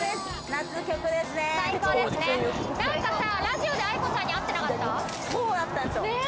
なんかさ、ラジオでａｉｋｏさんに会ってなかった？